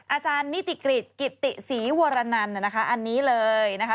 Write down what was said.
อาจารย์นิติกฤษกิติศรีวรนันนะคะอันนี้เลยนะคะ